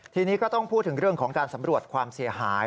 ทีนี้ก็ต้องพูดถึงเรื่องของการสำรวจความเสียหาย